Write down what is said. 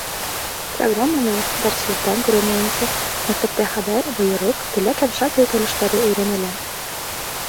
Программанан, дәреслектән күренеүенсә, мәктәптә хәбәр, бойороҡ, теләк һәм шарт һөйкәлештәре өйрәнелә.